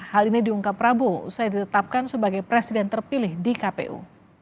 hal ini diungkap prabowo usai ditetapkan sebagai presiden terpilih di kpu